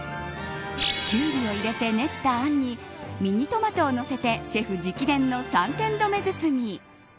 キュウリを入れて練ったあんにミニトマトをのせてシェフ直伝の３点留め包み。